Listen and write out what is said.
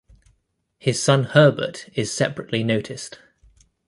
His son Herbert is separately noticed.